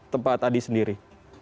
tempat adi sendiri